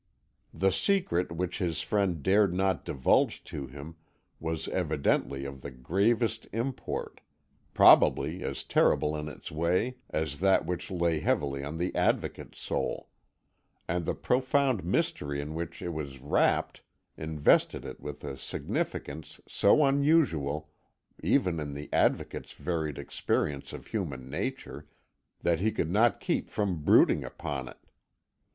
The secret which his friend dared not divulge to him was evidently of the gravest import probably as terrible in its way as that which lay heavily on the Advocate's soul; and the profound mystery in which it was wrapt invested it with a significance so unusual, even in the Advocate's varied experience of human nature, that he could not keep from brooding upon it.